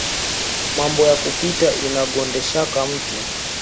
Mambo ya kupita inagondeshaka mutu